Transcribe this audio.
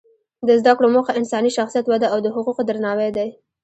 د زده کړو موخه انساني شخصیت وده او د حقوقو درناوی دی.